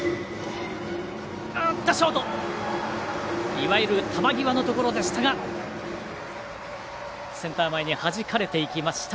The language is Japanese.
いわゆる球際のところでしたがセンター前にはじかれていきました。